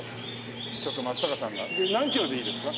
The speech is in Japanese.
ちょっと松坂さんが何キロでいいですか？